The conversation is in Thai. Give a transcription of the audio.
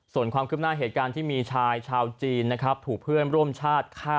ส่วนความคืบหน้าเหตุการณ์ที่มีชายชาวจีนนะครับถูกเพื่อนร่วมชาติฆ่า